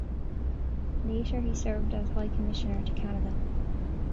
Later, he served as High Commissioner to Canada.